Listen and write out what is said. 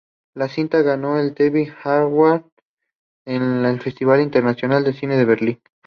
La cinta ganó el Teddy Award en el Festival Internacional de Cine de Berlín.